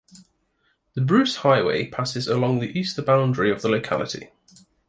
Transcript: The Bruce Highway passes along the easter boundary of the locality.